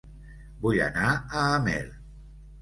Vull anar a Amer